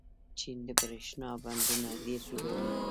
چین د برښنا بندونه ډېر جوړوي.